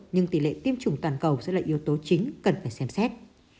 nhưng tỷ lệ tiêm chủng toàn cầu sẽ là yếu tố chính cần phải xem xét